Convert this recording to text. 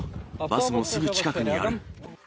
バスもすぐ近くにある。